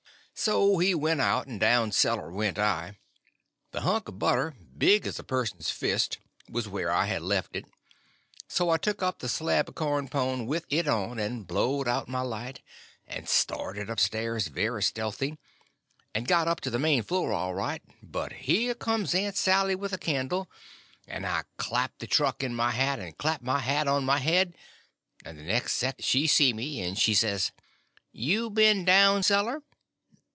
So out he went, and down cellar went I. The hunk of butter, big as a person's fist, was where I had left it, so I took up the slab of corn pone with it on, and blowed out my light, and started up stairs very stealthy, and got up to the main floor all right, but here comes Aunt Sally with a candle, and I clapped the truck in my hat, and clapped my hat on my head, and the next second she see me; and she says: "You been down cellar?"